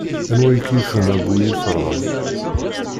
Anwa i k-yifen a bu yetran?